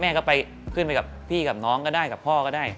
แม่ขึ้นไปกับพี่กับน้องกับพ่อก็ได้